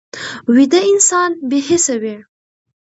ویده انسان بې حسه وي